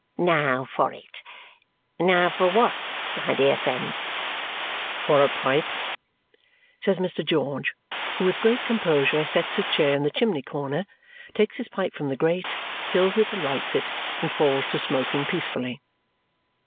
Now for it. Now for what, my dear friend?" "For a pipe," says Mr. George, who with great composure sets his chair in the chimney corner, takes his pipe from the grate, fills it and lights it, and falls to smoking peacefully.